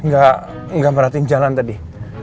gak merhatiin jalan tadi